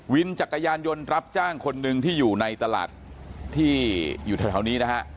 วินจักรยานยนต์รับจ้างคนหนึ่งที่อยู่ในตลาดที่อยู่แถวนี้นะฮะ